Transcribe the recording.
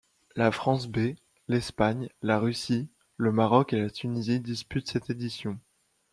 La France B, l'Espagne, la Russie, le Maroc et la Tunisie disputent cette édition.